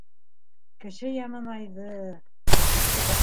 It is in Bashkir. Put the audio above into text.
Кеше яманайҙы.